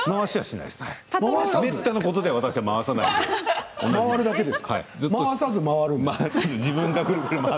めったなことでは回さないです。